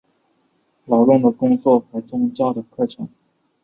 劳力的工作和宗教的课程。